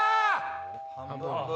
半分。